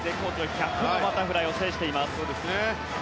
１００のバタフライも制しています。